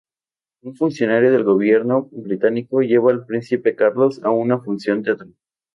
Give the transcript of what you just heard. Un funcionario del Gobierno británico lleva al príncipe Carlos a una función teatral.